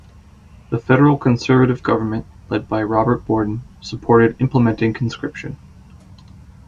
The federal Conservative government, led by Robert Borden, supported implementing conscription.